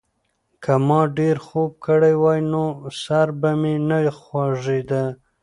که ما ډېر خوب کړی وای، نو سر به مې نه خوږېده.